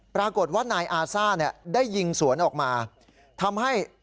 ปรากฏว่านายอาซ่าเนี่ยได้ยิงสวนออกมาทำให้